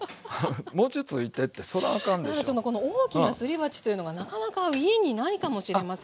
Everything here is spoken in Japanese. この大きなすり鉢というのがなかなか家にないかもしれませんが。